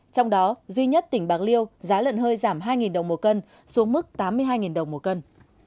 trong đó duy nhất tỉnh bạc liêu giá lợn hơi giảm hai đồng một cân xuống mức tám mươi hai đồng một cân